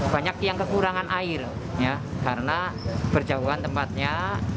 banyak yang kekurangan air karena berjauhan tempatnya